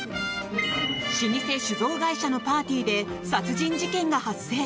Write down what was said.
老舗酒造会社のパーティーで殺人事件が発生。